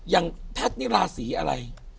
อย่างแพทย์นี่ราศีอะไร